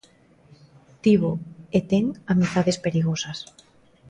Tivo e ten amizades perigosas.